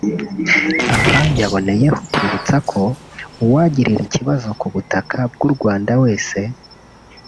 Aha yaboneyeho kwibutsa ko uwagirira ikibazo ku butaka bw’u Rwanda wese